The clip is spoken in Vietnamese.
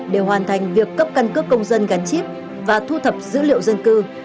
để hoàn thành việc cấp căn cước công dân gắn chip và thu thập dữ liệu dân cư